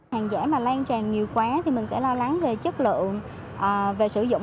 hàng giả mà lan tràn nhiều quá thì mình sẽ lo lắng về chất lượng về sử dụng